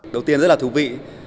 đầu tiên rất là thú vị